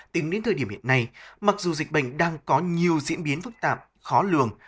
tính đến thời điểm hiện nay mặc dù dịch bệnh đang có nhiều diễn biến phức tạp khó lường